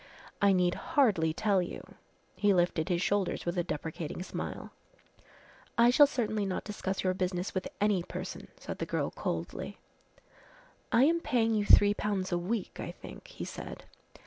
I need hardly tell you " He lifted his shoulders with a deprecating smile. "I shall certainly not discuss your business with any person," said the girl coldly. "I am paying you 3 pounds a week, I think," he said.